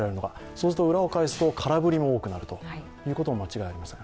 そうすると、裏を返すと空振りも多くなるということも間違いありません。